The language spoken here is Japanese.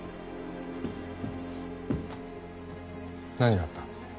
何があった？